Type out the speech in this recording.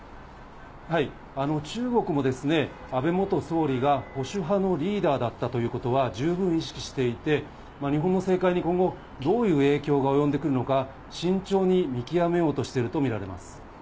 中国も安倍元総理が保守派のリーダーだったということは十分意識していて、日本の政界に今後、どういう影響が及んでくるのか、慎重に見極めようとしていると思います。